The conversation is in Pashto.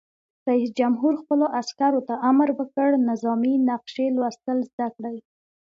رئیس جمهور خپلو عسکرو ته امر وکړ؛ نظامي نقشې لوستل زده کړئ!